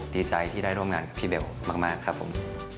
ดีใจที่ได้ร่วมงานกับพี่เบลมากครับผม